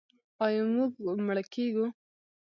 آیا موږ مړه کیږو؟